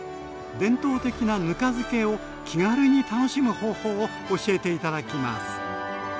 伝統的なぬか漬けを気軽に楽しむ方法を教えて頂きます。